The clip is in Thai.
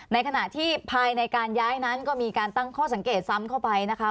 ในขณะที่ภายในการย้ายนั้นก็มีการตั้งข้อสังเกตซ้ำเข้าไปนะคะ